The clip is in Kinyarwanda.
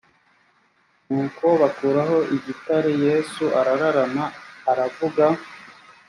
nuko bakuraho igitare yesu arararama aravuga